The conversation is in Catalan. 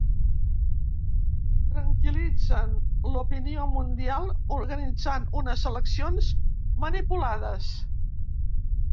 Tranquil·litzen l'opinió mundial organitzant unes eleccions manipulades.